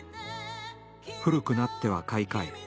古くなっては買い替え